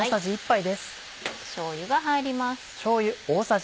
しょうゆが入ります。